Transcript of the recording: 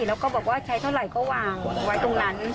แล้วก็บอกว่าใช้เท่าไหร่ก็วางไว้ตรงนั้น